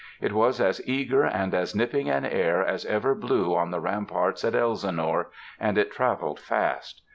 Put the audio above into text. It was as eager and as nipping an air as ever blew on the ramparts at Elsinore, and it traveled fast.